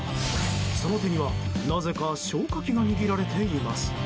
その手にはなぜか消火器が握られています。